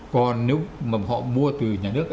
còn nếu mà họ mua từ nhà nước